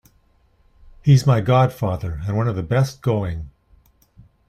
He’s my godfather, and one of the best going.